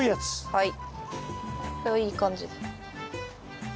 はい。